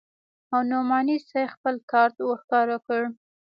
او نعماني صاحب خپل کارت ورښکاره کړ.